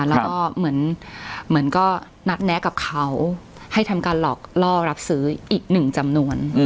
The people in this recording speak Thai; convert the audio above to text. แล้วก็เหมือนก็นัดแนะกับเขาให้ทำการหลอกล่อรับซื้ออีกหนึ่งจำนวน